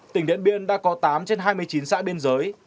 tỉnh điện biên đã có tám trên hai mươi chín xã biên giới